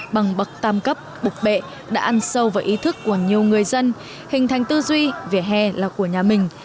bằng bậc tam cấp bục bệ đã ăn sâu vào ý thức của nhiều người dân hình thành tư duy về hè là của nhà mình